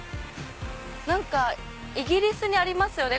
何かイギリスにありますよね